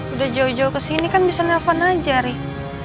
udah jauh jauh kesini kan bisa nelfon aja rick